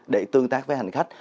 để tương tác với hành khách